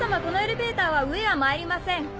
このエレベーターは上へはまいりません。